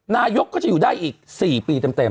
นายกก็จะอยู่ได้อีก๔ปีเต็ม